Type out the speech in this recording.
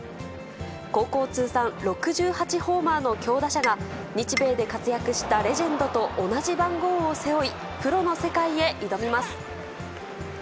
高校通算６８ホーマーの強打者が、日米で活躍したレジェンドと同じ番号を背負い、プロの世界へ挑みます。